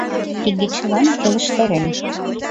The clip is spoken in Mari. Игечылан келыштарен.